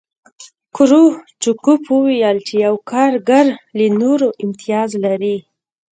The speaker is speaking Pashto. کرو چکوف وویل چې یو کارګر له نورو امتیاز لري